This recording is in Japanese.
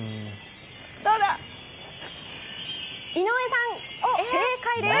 井上さん、正解です。